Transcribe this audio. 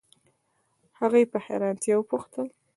هغې په حیرانتیا وپوښتل